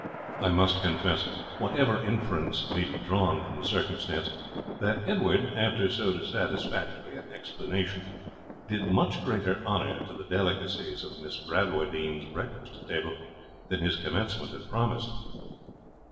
I must confess, whatever inference may be drawn from the circumstance, that Edward, after so satisfactory an explanation, did much greater honour to the delicacies of Miss Bradwardine's breakfast table than his commencement had promised.